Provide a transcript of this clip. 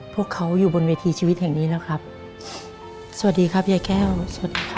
พวกเขาอยู่บนเวทีชีวิตแห่งนี้นะครับสวัสดีครับยายแก้วสวัสดีครับสวัสดีทุกคนครับ